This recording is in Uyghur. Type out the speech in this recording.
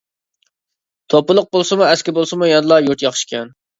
توپىلىق بولسىمۇ، ئەسكى بولسىمۇ يەنىلا يۇرت ياخشىكەن.